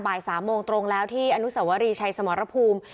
บ่าย๓โมงตรงแล้วที่อนุสวรีชัยสมรภูมิ